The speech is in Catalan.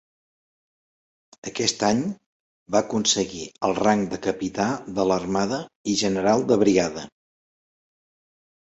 Aquest any va aconseguir el rang de Capità de l'Armada i General de Brigada.